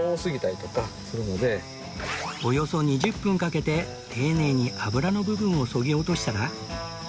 およそ２０分かけて丁寧に脂の部分をそぎ落としたら